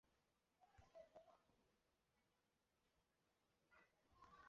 帕拉豹蛛为狼蛛科豹蛛属的动物。